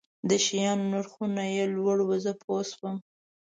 د شیانو نرخونه یې لوړ وو، زه پوه شوم.